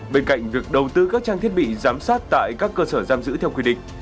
bên cạnh việc đầu tư các trang thiết bị giám sát tại các cơ sở giam giữ theo quy định